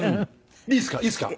いいですか？